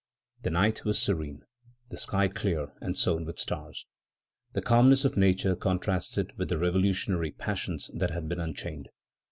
The night was serene, the sky clear and sown with stars. The calmness of nature contrasted with the revolutionary passions that had been unchained.